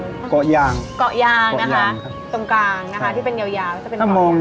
นี่คือเกาะยางเกาะยางนะคะตรงกลางนะคะที่เป็นยาวจะเป็นเกาะยาง